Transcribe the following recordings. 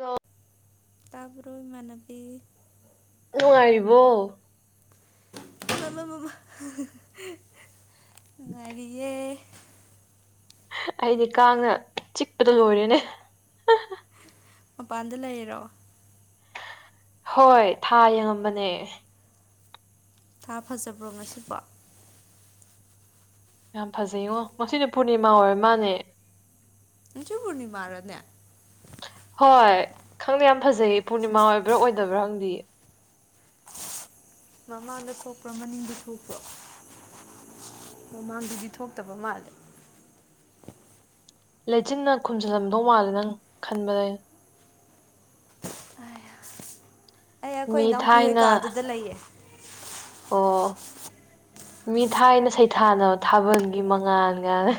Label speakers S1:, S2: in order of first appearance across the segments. S1: ꯑꯣ
S2: ꯇꯥꯕ꯭ꯔꯣꯏꯃꯥꯟꯅꯕꯤ
S1: ꯅꯨꯡꯉꯥꯏꯔꯤꯕꯣ
S2: ꯃꯥꯃꯥꯃꯥ ꯍꯥꯍꯥ ꯅꯨꯡꯉꯥꯢꯔꯤꯌꯦ
S1: ꯑꯩꯗꯤ ꯀꯥꯡꯅ ꯆꯤꯛꯄꯗ ꯂꯣꯏꯔꯦꯅꯦ
S2: ꯃꯄꯥꯟꯗ ꯂꯩꯔꯣ
S1: ꯍꯣꯏ ꯊꯥ ꯌꯦꯡꯉꯝꯕꯅꯦ
S2: ꯊꯥ ꯐꯖꯕ꯭ꯔꯣ ꯉꯁꯤꯕꯣ
S1: ꯌꯥꯝ ꯐꯖꯩꯉꯣ ꯉꯁꯤꯅꯦ ꯄꯨꯔꯅꯤꯃꯥ ꯑꯣꯏꯔ ꯃꯥꯜꯅꯦ
S2: ꯉꯁꯤ ꯄꯨꯔꯅꯤꯃꯥꯔꯅꯦ
S1: ꯍꯣꯏ ꯈꯪꯗꯦ ꯌꯥꯝ ꯐꯖꯩꯌꯦ ꯄꯨꯔꯅꯤꯃꯥ ꯑꯣꯏꯕ꯭ꯔꯥ ꯑꯣꯏꯗꯕ꯭ꯔꯥ ꯈꯪꯗꯤꯦ
S2: ꯃꯃꯥꯡꯗ ꯊꯣꯛꯄ꯭ꯔꯣ ꯃꯅꯤꯡꯗ ꯊꯣꯛꯄ꯭ꯔꯣ ꯃꯃꯥꯡꯗꯗꯤ ꯊꯣꯛꯇꯕ ꯃꯥꯜꯂꯦ
S1: ꯂꯩꯆꯤꯟꯅ ꯈꯨꯝꯖꯤꯜꯂꯝꯗꯧ ꯃꯥꯜꯂꯦ ꯅꯪ ꯈꯟꯕ ꯂꯩ
S2: ꯑꯩ ꯑꯩꯈꯣꯏ
S1: ꯃꯤ
S2: ꯏꯅꯥꯎꯄꯤꯍꯣꯏ
S1: ꯊꯥꯏꯅ
S2: ꯀꯥꯗꯨꯗ ꯂꯩꯌꯦ
S1: ꯑꯣ ꯃꯤ ꯊꯥꯏꯅ ꯁꯩꯊꯥꯅꯕꯅꯕ ꯊꯥꯕꯜꯒꯤ ꯃꯉꯥꯜꯒꯅꯦ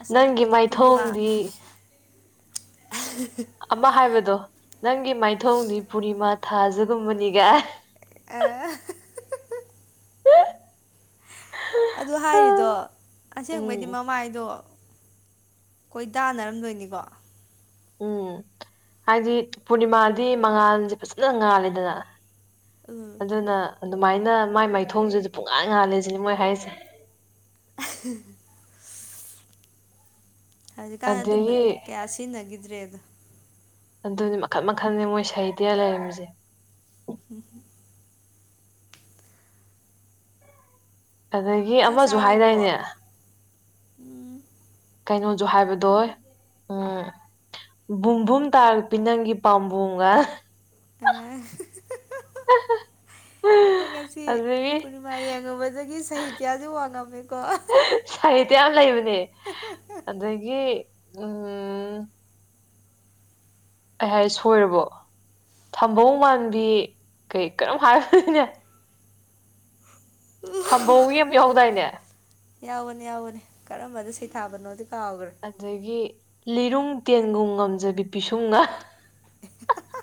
S2: ꯑꯁ
S1: ꯅꯪꯒꯤ
S2: ꯑꯗꯨꯕꯨꯗꯤ ꯄꯨꯔꯅꯤꯃꯥ
S1: ꯃꯥꯏꯊꯣꯡꯗꯤ
S2: [unintelligible]
S1: ꯑꯃ ꯍꯥꯏꯕꯗꯣ ꯅꯪꯒꯤ ꯃꯥꯏꯊꯣꯡꯗꯤ ꯄꯨꯔꯅꯤꯃꯥ ꯊꯥꯖꯒꯨꯝꯕꯅꯤꯒ
S2: ꯑ ꯑꯗꯨ ꯍꯥꯏꯔꯤꯗꯣ ꯑꯁꯦꯡꯕꯩꯗꯤ
S1: ꯎꯝ
S2: ꯃꯃꯥꯏꯗꯣ ꯀꯣꯏ ꯇꯗꯥꯅꯔꯝꯗꯣꯏꯅꯤꯀꯣ
S1: ꯎꯝ ꯍꯥꯏꯗꯤ ꯄꯨꯔꯅꯤꯃꯥꯗꯤ ꯃꯉꯥꯜꯁꯦ ꯐꯖꯅ ꯉꯥꯜꯂꯤꯦꯗꯅ
S2: ꯑꯥ
S1: ꯑꯗꯨꯅ ꯑꯗꯨꯃꯥꯏꯅ ꯃꯥꯏ ꯃꯥꯏꯊꯣꯡꯁꯤꯗꯤ ꯄꯨꯡꯉꯥꯟ ꯉꯥꯜꯂꯤꯁꯤꯅꯤ ꯃꯣꯏ ꯍꯥꯏꯔꯤꯁꯦ
S2: [unintelligible] ꯍꯧꯖꯤꯛꯀꯥꯟ ꯑꯗꯨꯝꯕ
S1: ꯑꯗꯒꯤ
S2: ꯀꯌꯥ ꯁꯤꯖꯤꯟꯅꯈꯤꯗ꯭ꯔꯦꯗ
S1: ꯑꯗꯨꯅꯦ ꯃꯈꯟ ꯃꯈꯜꯅꯤ ꯃꯣꯏ ꯁꯩꯗꯦ ꯂꯩꯔꯝꯃꯤꯁꯦ
S2: ꯍꯝ ꯍꯨꯝ
S1: ꯑꯗꯒꯤ
S2: ꯆꯥꯛ
S1: ꯑꯃꯁꯨ
S2: ꯆꯥꯔꯕꯣ
S1: ꯍꯥꯏꯗꯥꯏꯅꯦ
S2: ꯎꯝ
S1: ꯀꯩꯅꯣꯁꯨ ꯍꯥꯏꯕꯗꯣ ꯎꯝ ꯕꯨꯝꯕꯨꯝ ꯇꯥꯔꯛꯄꯤ ꯅꯪꯒꯤ ꯄꯥꯝꯕꯣꯒ
S2: [unintelligible] ꯀꯁꯤ
S1: ꯑꯗꯒꯤ
S2: ꯄꯨ ꯃꯥ ꯌꯦꯡꯉꯨꯕꯗꯒꯤ ꯁꯥꯍꯤꯇ꯭ꯌꯥꯗꯤ ꯋꯥꯡꯉꯝꯃꯦꯀꯣ
S1: ꯁꯍꯤꯠꯌꯥ ꯂꯩꯕꯅꯦ
S2: [unintelligible]
S1: ꯑꯗꯒꯤ ꯎꯝ ꯑꯩ ꯍꯥꯏ ꯁꯣꯏꯔꯕꯣ ꯊꯝꯕꯧ ꯃꯥꯟꯕꯤ ꯀꯩ ꯀꯔꯝ ꯍꯥꯏꯔꯅꯦ ꯊꯝꯕꯧ ꯌꯦꯝꯍꯧꯗꯥꯏꯅꯦ
S2: ꯌꯥꯎꯒꯅꯤ ꯌꯥꯎꯒꯅꯤ ꯀꯔꯝꯕꯗꯣ ꯁꯩꯊꯥꯕꯅꯣꯗꯤ ꯀꯥꯎꯈ꯭ꯔꯦ
S1: ꯑꯗꯒꯤ ꯂꯤꯔꯨꯡ ꯇꯦꯟꯒꯨꯝ ꯉꯝꯖꯕꯤ ꯄꯤꯁꯨꯡꯅ
S2: [unintelligible]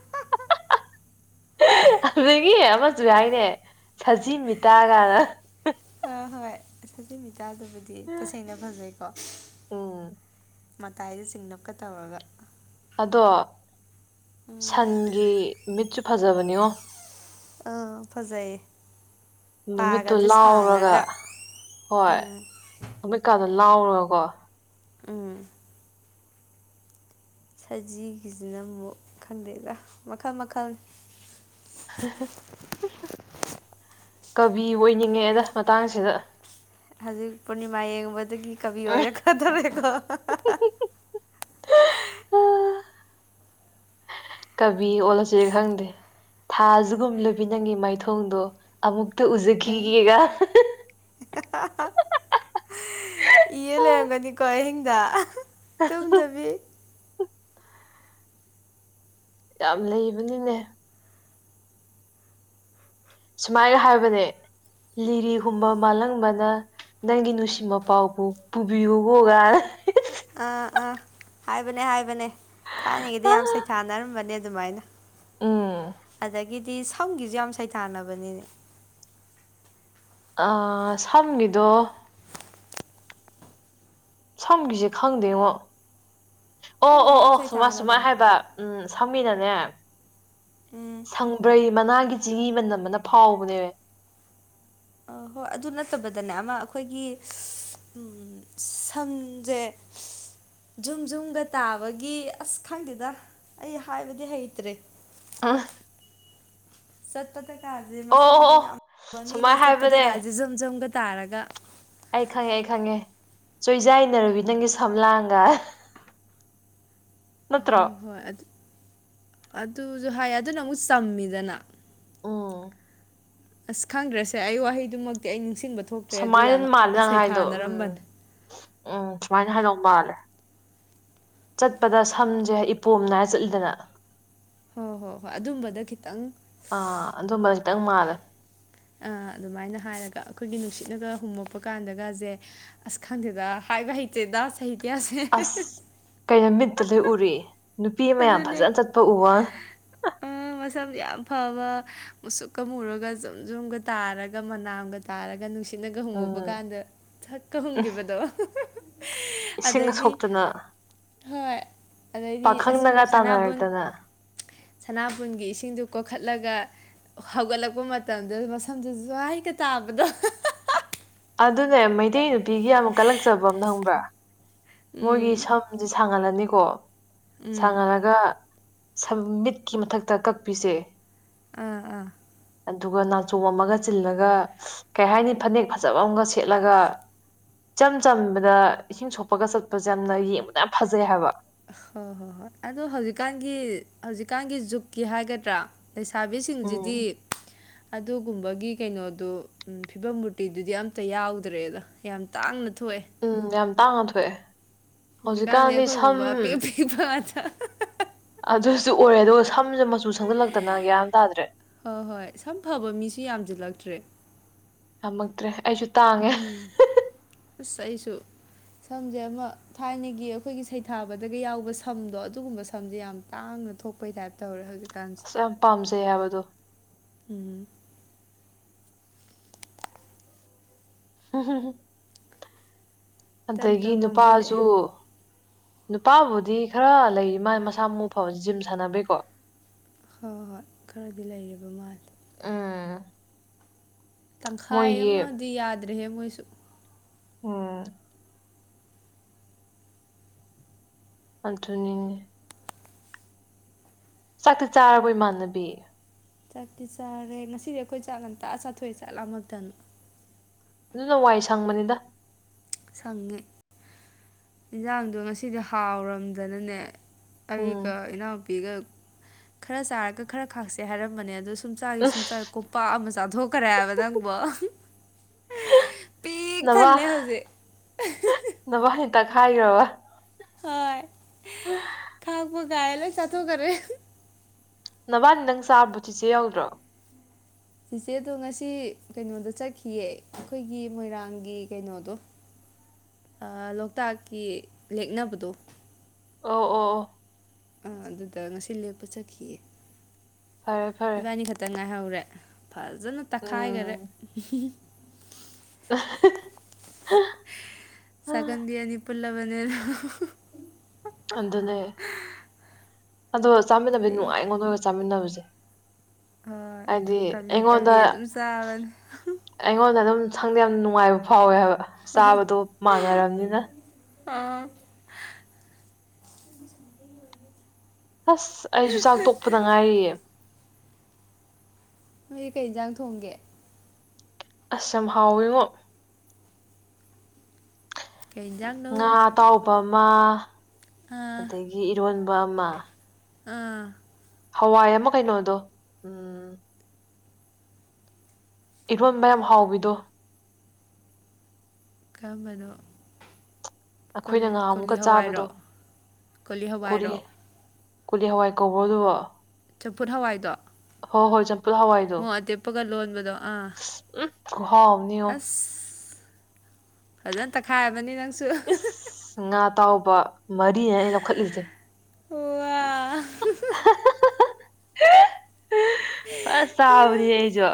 S1: ꯑꯗꯨꯗꯒꯤ ꯑꯃꯁꯨ ꯍꯥꯏꯅꯦ ꯁꯖꯤ ꯃꯤꯇꯥꯒꯅ
S2: ꯑꯥ ꯍꯣꯏꯖꯃꯤꯇꯥꯗꯕꯨꯗꯤ ꯇꯁꯦꯡꯅ ꯐꯖꯩꯀꯣ
S1: ꯎꯝ
S2: ꯃꯇꯥꯏꯗ ꯆꯤꯡꯅꯕꯞꯀ ꯇꯧꯔꯒ
S1: ꯑꯗꯣ
S2: ꯎꯝ
S1: ꯁꯟꯒꯤ ꯃꯤꯠꯁꯨ ꯐꯖꯕꯅꯤꯉꯣ
S2: ꯑꯥ ꯐꯖꯩꯌꯦ
S1: ꯅꯨꯃꯤꯠꯇꯨ
S2: ꯄꯥꯒꯗꯤ
S1: ꯂꯥꯎꯔꯒ
S2: ꯁꯥꯡꯉꯒ
S1: ꯍꯣꯏ
S2: ꯎꯝ
S1: ꯅꯨꯃꯤꯠꯀꯥꯗꯣ ꯂꯥꯎꯔꯒꯀꯣ
S2: ꯎꯝ ꯁꯖꯤꯒꯤꯁꯤꯅ ꯑꯃꯨꯛ ꯈꯪꯗꯦꯗ ꯃꯈꯜ ꯃꯈꯜ
S1: ꯀꯕꯤ ꯑꯣꯏꯅꯤꯡꯉꯦꯗ ꯃꯇꯥꯡꯁꯤꯗ
S2: ꯍꯧꯖꯤꯛ ꯄꯨꯔꯅꯤꯃꯥ ꯌꯦꯡꯕꯗꯒꯤ ꯀꯕꯤ
S1: ꯎꯝ
S2: ꯑꯣꯏꯔꯛꯀꯗꯣꯔꯦꯀꯣ
S1: ꯀꯕꯤ ꯑꯣꯜꯂꯁꯤꯔꯥ ꯈꯪꯗꯦ ꯊꯥꯖꯒꯨꯝ ꯂꯨꯕꯤ ꯅꯪꯉꯤ ꯃꯥꯏꯊꯣꯡꯗꯣ ꯑꯃꯨꯛꯇ ꯎꯖꯈꯤꯒꯦꯒ
S2: [unintelligible] ꯏ ꯂꯩꯔꯝꯒꯅꯤꯀꯣ ꯑꯍꯤꯡꯗ
S1: [unintelligible]
S2: ꯇꯨꯝꯗꯕꯤ
S1: ꯌꯥꯝ ꯂꯩꯕꯅꯤꯅꯦ ꯁꯨꯃꯥꯏꯅ ꯍꯥꯏꯕꯅꯦ ꯂꯤꯔꯤꯍꯨꯝꯕ ꯃꯥꯜꯂꯪꯕꯅ ꯅꯪꯒꯤ ꯅꯨꯡꯁꯤ ꯃꯄꯥꯎꯕꯨ ꯄꯨꯕꯤꯌꯨꯕꯣꯒ
S2: ꯑꯥ ꯑꯥ ꯍꯥꯏꯕꯅꯦ ꯍꯥꯏꯕꯅꯦ ꯊꯥꯏꯅꯉꯩꯗ ꯌꯥꯝ ꯁꯩꯊꯥꯅꯔꯝꯕꯅꯦ ꯑꯗꯨꯃꯥꯏꯅ
S1: ꯎꯝ
S2: ꯑꯗꯒꯤꯗꯤ ꯁꯝꯒꯤꯁꯨ ꯌꯥꯝ ꯁꯩꯊꯥꯅꯕꯅꯤꯅꯦ ꯫
S1: ꯑ ꯁꯝꯒꯤꯗꯣ ꯁꯝꯒꯤꯁꯦ ꯈꯪꯗꯦꯉꯣ ꯑꯣ
S2: ꯁꯝꯒꯤꯁꯨ
S1: ꯑꯣ
S2: ꯌꯥꯝ
S1: ꯑꯣ ꯁꯨꯃ ꯁꯨꯃꯥꯏ
S2: ꯁꯩꯊꯥꯅꯕꯅꯤ
S1: ꯍꯥꯏꯕ ꯎꯝ ꯁꯃꯒꯤꯅꯅꯦ
S2: ꯎꯝ
S1: ꯁꯪꯕ꯭ꯔꯩ ꯃꯅꯥꯒꯤ ꯆꯤꯍꯤ ꯃꯅꯝ ꯃꯅ ꯐꯥꯎꯕꯅꯦꯕ
S2: ꯑ ꯍꯣꯏ ꯑꯗꯨ ꯅꯠꯇꯕꯗꯅꯦ ꯑꯃ ꯑꯩꯈꯣꯏꯒꯤ ꯎ ꯁꯝꯖꯦ ꯖꯨꯝ ꯖꯨꯝꯒ ꯇꯥꯕꯒꯤ ꯑꯁ ꯈꯪꯗꯦꯗ ꯑꯩ ꯍꯥꯏꯕꯗꯤ ꯍꯩꯇ꯭ꯔꯦ
S1: [unintelligible]
S2: ꯆꯠꯄꯗꯀꯥꯁꯦ
S1: ꯑꯣ
S2: ꯃꯁꯝꯗꯣ
S1: ꯑꯣ
S2: ꯌꯥꯝꯕ ꯃꯤꯅ
S1: ꯁꯨꯃꯥꯏꯅ ꯍꯥꯏꯕꯅꯦ
S2: ꯆꯠꯄꯗꯀꯥꯁꯦ ꯖꯨꯝ ꯖꯨꯝꯒ ꯇꯥꯔꯒ
S1: ꯑꯩ ꯈꯪꯉꯦ ꯑꯩ ꯈꯪꯉꯦ ꯆꯣꯏꯖꯩꯏꯅꯔꯕꯤ ꯅꯪꯒꯤ ꯁꯝꯂꯥꯡꯒ
S2: ꯍꯣꯏ
S1: ꯅꯠꯇꯔꯣ
S2: ꯍꯣꯏ ꯑꯗꯨ ꯑꯗꯨꯁꯨ ꯍꯥꯏ ꯑꯗꯨꯅ ꯑꯃꯨꯛ ꯆꯝꯃꯤꯗꯅ
S1: ꯎꯝ
S2: ꯑꯁ ꯈꯪꯗ꯭ꯔꯁꯦ ꯑꯩ ꯋꯥꯍꯩꯗꯨꯃꯛꯇꯤ ꯑꯩ ꯅꯤꯡꯁꯤꯡꯕ ꯊꯣꯛꯇ꯭ꯔꯦ ꯑꯗꯨ
S1: ꯁꯨꯃꯥꯏꯅ
S2: ꯌꯥꯝ
S1: ꯃꯥꯜꯂꯦ
S2: ꯑ
S1: ꯅꯪ ꯍꯥꯏꯗꯣ ꯎꯝ
S2: ꯁꯩꯊꯥꯅꯔꯝꯕꯅꯦ ꯫
S1: ꯎꯝ ꯁꯨꯃꯥꯏꯅ ꯍꯥꯏꯗꯧ ꯃꯥꯜꯂꯦ ꯆꯠꯄꯗ ꯁꯝꯁꯦ ꯏꯄꯣꯝꯅꯏꯔ ꯆꯠꯂꯤꯗꯅ
S2: ꯍꯣꯏ ꯍꯣꯏ ꯍꯣꯏ ꯑꯗꯨꯝꯕꯗ ꯈꯤꯇꯪ
S1: ꯑꯥ ꯑꯗꯨꯝꯕ ꯈꯤꯇꯪ ꯃꯥꯜꯂꯦ
S2: ꯑꯗꯨꯃꯥꯏꯅ ꯍꯥꯏꯔꯒ ꯑꯩꯈꯣꯏꯒꯤ ꯅꯨꯡꯁꯤꯠꯅꯒ ꯍꯨꯝꯃꯛꯄ ꯀꯥꯟꯗꯒꯁꯦ ꯑꯁ ꯈꯪꯗꯦꯗ ꯍꯥꯏꯕ ꯍꯩꯇꯦꯗ ꯁꯍꯤꯇꯌꯥꯁꯦ
S1: ꯑꯁ ꯀꯩꯅꯣ ꯃꯤꯠꯇ ꯂꯣꯏ ꯎꯔꯤ ꯅꯨꯄꯤ ꯃꯌꯥꯝ
S2: ꯑꯗꯨꯅꯦ
S1: ꯐꯖꯅ ꯆꯠꯄ ꯎꯕꯋꯥꯅꯦ
S2: ꯃꯁꯝ ꯌꯥꯝ ꯐꯕ ꯃꯨꯁꯨꯛꯀ ꯃꯨꯔꯒ ꯖꯨꯝ ꯖꯨꯝꯒ ꯇꯥꯔꯒ ꯃꯅꯥꯝꯒ ꯇꯥꯔꯒ ꯅꯨꯡ ꯁꯤꯅꯒ ꯍꯨꯝꯉꯨꯕ
S1: ꯎꯝ
S2: ꯀꯥꯟꯗ ꯁꯛꯀ
S1: ꯎꯝ
S2: ꯍꯨꯝꯈꯤꯕꯗꯣ
S1: ꯏꯁꯤꯡ
S2: ꯑꯗꯩꯗꯤ
S1: ꯁꯣꯛꯇꯅ
S2: ꯍꯣꯏ ꯑꯗꯩꯗꯤ
S1: ꯄꯥꯈꯪꯅꯒ
S2: ꯁꯅꯥꯕꯨꯟ
S1: ꯇꯥꯟꯅꯔꯛꯇꯅ
S2: ꯁꯅꯥꯕꯨꯟꯒꯤ ꯏꯁꯤꯡꯗꯨ ꯀꯣꯛꯈꯠꯂꯒ ꯍꯧꯒꯠꯂꯛꯄ ꯃꯇꯝꯗ ꯃꯁꯐꯝꯗꯨ ꯁ꯭ꯋꯥꯏꯒ ꯇꯥꯕꯗꯣ
S1: ꯑꯗꯨꯅꯦ ꯃꯩꯇꯩ ꯅꯨꯄꯤꯒꯤ ꯌꯥꯝ ꯀꯜꯂꯛꯆꯕ ꯑꯃ ꯈꯪꯕ꯭ꯔꯥ ꯃꯣꯏꯒꯤ
S2: ꯎꯝ
S1: ꯁꯝꯁꯦ ꯁꯥꯡꯍꯜꯂꯅꯤꯀꯣ
S2: ꯎꯝ
S1: ꯁꯥꯡꯍꯜꯂꯒ ꯁꯝ ꯃꯤꯠꯀꯤ ꯃꯊꯛꯇ ꯀꯛꯄꯤꯁꯦ
S2: ꯑꯥ ꯑꯥ
S1: ꯑꯗꯨꯒ ꯅꯥꯆꯣꯝ ꯑꯃꯒ ꯆꯤꯜꯂꯒ ꯀꯩ ꯍꯥꯏꯅꯤ ꯐꯅꯦꯛ ꯐꯖꯕ ꯑꯃꯒ ꯁꯦꯠꯂꯒ ꯏꯆꯝ ꯆꯝꯕꯗ ꯏꯁꯤꯡ ꯁꯣꯛꯄꯒ ꯆꯠꯄꯁꯦ ꯌꯥꯝꯅ ꯌꯦꯡꯕꯗ ꯌꯥꯝ ꯐꯖꯩ ꯍꯥꯏꯕ꯫
S2: ꯍꯣꯏ ꯍꯣꯏ ꯍꯣꯏ ꯑꯗꯣꯍꯧꯖꯤꯛꯀꯥꯟꯒꯤ ꯍꯧꯖꯤꯛꯀꯥꯟꯒꯤ ꯖꯨꯛꯀꯤ ꯍꯥꯏꯒꯗ꯭ꯔꯥ ꯂꯩꯁꯥꯕꯤꯁꯤꯡꯁꯤꯗꯤ
S1: ꯎꯝ
S2: ꯑꯗꯨꯒꯨꯝꯕꯒꯤ ꯀꯩꯅꯣꯗꯣ ꯐꯤꯕꯝ ꯃꯨꯔꯇꯤꯗꯨꯗꯤ ꯑꯝꯇ ꯌꯥꯎꯗ꯭ꯔꯦꯗ ꯌꯥꯝ ꯇꯥꯡꯅ ꯊꯣꯛꯑꯦ꯫
S1: ꯎꯝ ꯌꯥꯝ ꯇꯥꯡꯅ ꯊꯣꯛꯑꯦ
S2: ꯍꯧꯖꯤꯀꯥꯟꯗꯤ
S1: ꯍꯧꯖꯤꯛꯀꯥꯟꯗꯤ ꯁꯝ
S2: ꯑꯩꯈꯣꯏꯒꯨꯝꯕ ꯄꯤꯛ ꯄꯤꯛ ꯉꯥꯇꯥ
S1: ꯑꯗꯨꯁꯨ ꯑꯣꯏꯔꯦ ꯑꯗꯨꯒ ꯁꯝꯁꯦ ꯃꯆꯨ ꯁꯪꯖꯤꯜꯂꯛꯇꯅꯒ꯭ꯌꯥꯟ ꯇꯥꯗ꯭ꯔꯦ
S2: ꯍꯣꯏ ꯍꯣꯏ ꯁꯝ ꯐꯕ ꯃꯤꯁꯨ ꯌꯥꯝꯁꯤꯜꯂꯛꯇ꯭ꯔꯦ
S1: ꯌꯥꯝꯝꯃꯛꯇ꯭ꯔꯦ ꯑꯩꯁꯨ ꯇꯥꯡꯉꯦ
S2: ꯎꯝ ꯑꯁ ꯑꯩꯁꯨ ꯁꯝꯁꯦ ꯑꯃ ꯊꯥꯏꯅꯒꯤ ꯑꯩꯈꯣꯏꯒꯤ ꯁꯩꯊꯥꯕꯗꯒ ꯌꯥꯎꯕ ꯁꯝꯗꯣ ꯑꯗꯨꯒꯨꯝꯕ ꯁꯝꯁꯦ ꯌꯥꯝ ꯇꯥꯡꯅ ꯊꯣꯛ ꯍꯣꯏ ꯇꯥꯏꯞ ꯇꯧꯔꯦ ꯍꯧꯖꯤꯛꯀꯥꯟ
S1: ꯑꯁ ꯌꯥꯝ ꯄꯥꯝꯖꯩ ꯍꯥꯏꯕꯗꯣ
S2: ꯎꯝ
S1: [unintelligible]
S2: ꯇꯞ
S1: ꯑꯗꯒꯤ
S2: ꯇꯞ ꯃꯥꯡꯁꯤꯜꯂꯛꯑꯦ
S1: ꯅꯨꯄꯥꯁꯨ ꯅꯨꯄꯥꯕꯨꯗꯤ ꯈꯔ ꯂꯩ ꯃꯥ ꯃꯁꯥ ꯃꯎ ꯐꯕ ꯖꯤꯝ ꯁꯥꯟꯅꯕꯩꯀꯣ꯫
S2: ꯍꯣꯏ ꯍꯣꯏ ꯈꯔꯗꯤ ꯂꯩꯔꯤꯕ ꯃꯥꯜꯂꯦ꯫
S1: ꯎꯝ
S2: ꯇꯪꯈꯥꯏ
S1: ꯃꯣꯏꯒꯤ
S2: ꯑꯃꯗꯤ ꯌꯥꯗ꯭ꯔꯦꯍꯦ ꯃꯣꯏꯁꯨ
S1: ꯎꯝ ꯑꯗꯨꯅꯤ ꯆꯥꯛꯇꯤ ꯆꯥꯔꯕ ꯏꯃꯥꯟꯅꯕꯤ?
S2: ꯆꯠꯇꯤ ꯆꯥꯔꯦ ꯉꯁꯤꯗꯤ ꯑꯩꯈꯣꯏ ꯆꯥꯛꯉꯟꯇꯥ ꯆꯥꯊꯣꯛꯑꯦ ꯆꯠꯂꯥꯝꯃꯛꯇꯅꯨ
S1: ꯑꯗꯨꯅ ꯋꯥꯏ ꯁꯪꯕꯅꯤꯗ
S2: ꯁꯪꯉꯦ ꯏꯟꯁꯥꯡꯗꯣ ꯉꯁꯤꯗꯤ ꯍꯥꯎꯔꯝꯗꯅꯅꯦ
S1: ꯎꯝ
S2: ꯑꯩꯒ ꯏꯅꯥꯎꯄꯤꯒ ꯈꯔ ꯆꯥꯔꯒ ꯈꯔ ꯈꯥꯛꯁꯦ ꯍꯥꯏꯔꯝꯕꯅꯦ ꯑꯗꯨ ꯁꯨꯝꯆꯥꯥꯏꯒꯤ ꯁꯨꯝꯆꯥꯥ ꯀꯣꯝꯄꯥꯛ ꯑꯃ ꯆꯥꯊꯣꯛꯈ꯭ꯔꯦ ꯍꯥꯏꯕ ꯅꯪꯕꯨ ꯄꯤꯛ ꯊꯜꯂꯦ ꯍꯧꯖꯤꯛ [unintelligible]
S1: ꯅꯚꯅꯤ ꯇꯛꯈꯥꯏꯈ꯭ꯔꯕ?
S2: ꯍꯣꯏ ꯊꯥꯛꯄꯒꯥꯏ ꯂꯣꯏ ꯆꯥꯊꯣꯛꯈꯔꯦ
S1: ꯅꯚꯅꯤ ꯗꯪ ꯆꯥꯕꯨ ꯆꯤꯆꯦ ꯌꯥꯎꯗ꯭ꯔꯣ?
S2: ꯆꯤꯆꯦꯗꯣ ꯉꯁꯤ ꯀꯩꯅꯣꯗ ꯆꯠꯈꯤꯌꯦ ꯑꯩꯈꯣꯏꯒꯤ ꯃꯣꯏꯔꯥꯡꯒꯤ ꯀꯩꯅꯣꯗꯣ ꯑ ꯂꯣꯛꯇꯥꯛꯀꯤ ꯂꯦꯛꯅꯕꯗꯣ
S1: ꯑꯣ ꯑꯣ ꯑꯣ
S2: ꯑꯥ ꯑꯗꯨꯗ ꯉꯁꯤ ꯂꯦꯞꯄ ꯆꯠꯈꯤꯌꯦ
S1: ꯐꯔꯦ ꯐꯔꯦ
S2: ꯏꯕꯥꯅꯤ ꯈꯠ ꯛꯇ ꯉꯥꯏꯍꯧꯔꯦ ꯐꯖꯅ ꯇꯛꯈꯥꯏꯈꯔꯦ
S1: ꯎꯝ ꯑ
S2: ꯆꯥꯒꯟꯕꯤ‌ ꯑꯅꯤ ꯄꯨꯜꯂꯕꯅꯤꯅ ꯑꯍꯥ ꯑꯍꯥ
S1: ꯑꯗꯨꯅꯦ ꯑꯗꯣ ꯆꯥꯃꯤꯟꯅꯖ‌ꯦ
S2: ꯄꯤꯛ
S1: ꯅꯨꯡꯉꯥꯏꯉꯣ ꯅꯣꯏꯒ ꯆꯥꯃꯤꯟꯅꯕꯖꯦ꯫
S2: ꯑꯥ ꯇꯞꯂꯤ
S1: ꯑꯩꯉꯣꯟꯗ
S2: ꯇꯞꯂꯤ ꯑꯗꯨꯝ ꯆꯥꯕꯅꯦ
S1: ꯑꯩꯉꯣꯟꯗ ꯑꯗꯨꯝ ꯁꯪꯗ ꯌꯥꯝ ꯅꯨꯡꯉꯥꯏꯕ ꯐꯥꯎꯋꯦ ꯍꯥꯏꯕ ꯆꯥꯕꯗꯣ ꯃꯥꯟꯅꯔꯕꯅꯤꯅ
S2: ꯑꯥꯝ
S1: ꯑꯁ ꯑꯩꯁꯨ ꯆꯥꯛ ꯇꯣꯛꯄꯗ ꯉꯥꯏꯔꯤꯌꯦ꯫
S2: ꯅꯣꯏ ꯀꯩ ꯌꯦꯟꯖꯥꯡ ꯊꯣꯡꯒꯦ?
S1: ꯑꯁ ꯌꯥꯝ ꯍꯥꯎꯋꯤꯉꯣ꯫
S2: ꯀꯩꯖꯥꯡꯅꯧ
S1: ꯉꯥ ꯑꯇꯥꯎꯕ ꯑꯃ ꯑꯗꯒꯤ ꯏꯔꯣꯟꯕ ꯑꯃ꯫
S2: ꯑꯥ
S1: ꯍꯋꯥꯏ ꯑꯃ ꯀꯩꯅꯣꯗꯣ ꯎꯝ ꯏꯔꯣꯟꯕꯃ ꯍꯥꯎꯕꯤꯗꯣ
S2: ꯀꯔꯝꯕꯅꯣ ꯀꯣꯜ
S1: ꯑꯩꯈꯣꯏꯅ
S2: ꯀꯣꯂꯤ
S1: ꯉꯍꯥꯃꯨꯛꯀ ꯆꯥꯕꯗꯣ
S2: ꯍꯋꯥꯏꯔꯣ ꯀꯣꯂꯤ ꯍꯋꯥꯏꯔꯣ
S1: ꯀꯣꯂꯤ ꯍꯋꯥꯏ ꯀꯧꯕꯣ ꯑꯗꯨꯕꯣ?
S2: ꯆꯝꯐꯨꯠ ꯍꯋꯥꯏꯗꯣ
S1: ꯍꯣꯏ ꯍꯣꯏ ꯆꯝꯄꯨꯠ ꯍꯋꯥꯏꯗꯣ
S2: ꯃꯣꯔꯣꯛ ꯑꯇꯦꯛꯄꯒ ꯂꯣꯟꯕꯗꯣ ꯑꯥ
S1: ꯎꯝ ꯈꯨꯍꯥꯎꯑꯝꯅꯤꯉꯣ꯫
S2: ꯑꯁ ꯐꯖꯅ ꯇꯛꯈꯥꯏꯔꯕꯅꯤ ꯅꯪꯁꯨ
S1: ꯏꯁ ꯉꯥ ꯇꯥꯎꯕ ꯃꯔꯤꯅꯦ ꯑꯩꯅ ꯂꯧꯈꯠꯂꯤꯖꯦ꯫
S2: ꯍꯋ
S1: [unintelligible] ꯐꯁ ꯆꯥꯕꯅꯤ ꯑꯩꯁꯨ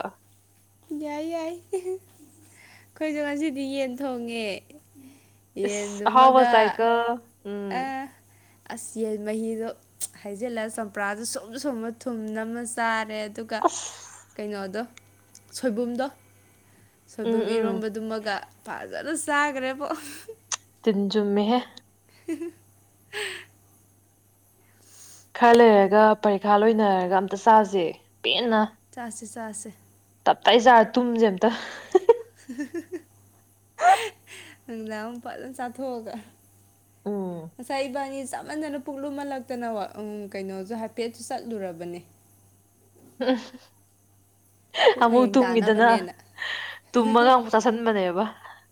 S2: ꯌꯥꯏ ꯌꯥꯏ ꯑꯩꯈꯣꯏꯁꯨ ꯉꯁꯤꯗꯤ ꯌꯦꯟ ꯊꯣꯡꯉꯦ
S1: ꯏꯁ ꯑꯍꯥꯎꯕ
S2: ꯌꯦꯟꯗꯨꯃꯒ
S1: ꯆꯥꯏꯀꯣ ꯎꯝ
S2: ꯑ ꯑꯁ ꯌꯦꯟ ꯃꯍꯤꯗꯣ ꯍꯩꯖꯤꯜꯂ ꯆꯝꯄ꯭ꯔꯥꯗꯣ ꯁꯨꯝ ꯁꯨꯝꯃ ꯊꯨꯝ ꯅꯝꯃ ꯆꯥꯔꯦ‌꯫ ꯑꯗꯨꯒ
S1: ꯑꯁ
S2: ꯀꯩꯅꯣꯗꯣ ꯁꯣꯏꯕꯨꯝꯗꯣ
S1: ꯎꯝ
S2: ꯁꯣꯏꯕꯨꯝ
S1: ꯎꯝ
S2: ꯏꯔꯣꯟꯝꯕꯗꯨꯃꯒ ꯐꯖꯅ ꯆꯥꯈ꯭ꯔꯦꯕꯣ
S1: ꯇꯤꯟꯖꯨꯝꯃꯦꯍꯦ
S2: [unintelligible]
S1: ꯈꯔ ꯂꯩꯔꯒ ꯄꯔꯤꯈꯥ ꯂꯣꯏꯅꯔꯒ ꯑꯝꯇ ꯆꯥꯖ‌ꯦ ꯄꯦꯟꯅ
S2: ꯆꯥꯁꯤ ꯆꯥꯁꯤ
S1: ꯇꯞꯇꯥꯏꯖꯥꯔ ꯇꯨꯝꯁꯦ ꯑꯝꯇ꯫
S2: [unintelligible] ꯅꯨꯃꯤꯗꯥꯡ ꯑꯃꯨꯛ ꯐꯖꯅ ꯆꯥꯊꯣꯛꯑꯒ
S1: ꯎꯝ
S2: ꯉꯁꯥꯏ ꯏꯕꯥꯅꯤ ꯆꯥꯃꯟꯗꯅ ꯄꯨꯛꯂꯨꯝꯍꯜꯂꯛꯇꯅ ꯀꯩꯅꯣꯁꯨ ꯍꯥꯏꯐꯦꯠꯁꯨ ꯆꯠꯂꯨꯔꯕꯅꯦ
S1: ꯎ [unintelligible]
S2: ꯄꯨꯛ
S1: ꯑꯃꯨꯛ
S2: ꯃꯌꯦꯡ
S1: ꯇꯨꯝꯈꯤꯗꯅ
S2: ꯇꯥꯅꯕꯅꯦꯅ
S1: ꯇꯨꯝꯃꯒ ꯑꯃꯨꯛ ꯆꯥꯥꯁꯟꯕꯅꯦꯕ꯫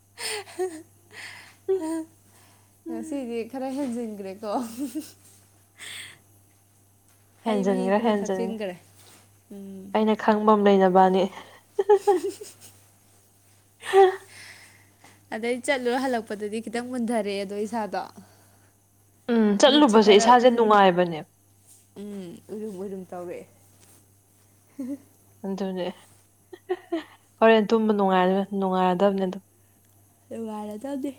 S2: [unintelligible] ꯉꯁꯤꯗꯤ ꯈꯔ ꯍꯦꯟꯖꯤꯟꯈ꯭ꯔꯦꯀꯣ
S1: [inaudible]
S2: ꯍꯩ ꯃꯍꯤ
S1: ꯍꯦꯟꯖꯤꯟꯈꯒꯔꯥ
S2: ꯈꯔ
S1: ꯍꯦꯟꯖꯤꯟ
S2: ꯊꯛꯆꯤꯟꯈ꯭ꯔꯦ ꯎꯝ
S1: ꯑꯩꯅ ꯈꯪꯕ ꯑꯃ ꯂꯩ ꯅꯕꯅꯤ
S2: [unintelligible]
S1: ꯍ
S2: ꯑꯗꯩ ꯆꯠꯂꯨꯔ ꯍꯜꯂꯛꯄꯗꯗꯤ ꯈꯤꯇꯪ ꯃꯨꯟꯗꯔꯛꯑꯦꯗꯣ ꯏꯁꯥꯗꯣ
S1: ꯎꯝ
S2: ꯃꯤꯠꯁꯦ
S1: ꯆꯠꯂꯨꯕꯁꯦ
S2: ꯈꯔ
S1: ꯏꯁꯥꯁꯦ ꯅꯨꯡꯉꯥꯏꯕꯅꯦ
S2: ꯎꯝ ꯎꯏꯔꯨꯝ ꯎꯏꯔꯨꯝ ꯇꯧꯔꯛꯑꯦ
S1: ꯑꯗꯨꯅꯦ ꯍꯣꯔꯦꯟ ꯇꯨꯝꯕ ꯅꯨꯡꯉꯥꯏꯔ ꯅꯨꯡꯉꯥꯏꯔꯗꯕꯅꯦ ꯑꯗꯨ
S2: ꯅꯨꯡꯉꯥꯏꯔꯗꯝꯅꯤ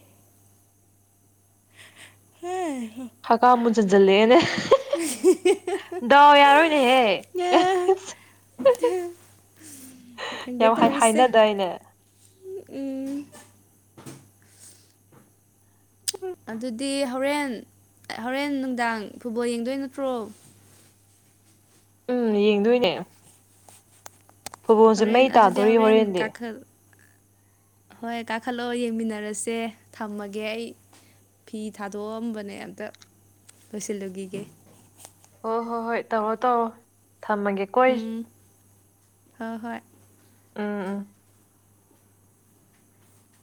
S2: [unintelligible]
S1: ꯍꯀꯥꯝ ꯃꯨꯟꯖꯟꯖꯜꯂꯦꯅꯦ ꯗꯥꯎ ꯌꯥꯔꯣꯏꯅꯦꯍꯦ
S2: ꯈꯪꯗꯦ
S1: ꯌꯥꯝ ꯍꯥꯏ
S2: ꯇꯧꯔꯤꯁꯦ
S1: ꯍꯥꯏꯅꯗꯥꯏꯅꯦ
S2: ꯎꯝ ꯑꯗꯨꯗꯤ ꯍꯧꯔꯦꯟ ꯍꯧꯔꯦꯟ ꯅꯨꯡꯗꯥꯡ ꯐꯨꯠꯕꯣꯜ ꯌꯦꯡꯗꯣꯏ ꯅꯠꯇ꯭ꯔꯣ?
S1: ꯎꯝ ꯌꯦꯡꯗꯣꯏꯅꯦ ꯐꯨꯠꯕꯣꯜꯁꯦ
S2: ꯍꯧꯔꯦꯟ
S1: ꯃꯩ
S2: ꯑꯗꯨꯗꯤ
S1: ꯇꯥꯗꯣꯔꯤ
S2: ꯍꯧꯔꯦꯟ
S1: ꯍꯣꯔꯦꯟꯗꯤ
S2: ꯀꯥꯈꯠ ꯍꯣꯏ ꯀꯥꯈꯠꯂꯛꯑꯣ ꯌꯦꯡꯃꯤꯟꯅꯔꯁꯦ ꯊꯝꯃꯒꯦ ꯑꯩ꯫ ꯐꯤ ꯊꯥꯗꯣꯛꯑꯝꯕꯅꯦ ꯑꯝꯇ ꯂꯣꯏꯁꯤꯜꯂꯨꯈꯤꯒꯦ
S1: ꯍꯣ ꯍꯣꯏ ꯍꯣꯏ ꯇꯧꯔꯣ ꯇꯧꯔꯣ ꯊꯝꯃꯒꯦ
S2: ꯎꯝ ꯍꯣꯏ ꯍꯣꯏ
S1: ꯎꯝ ꯎꯝ